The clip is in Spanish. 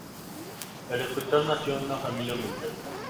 El escultor nació en una familia humilde.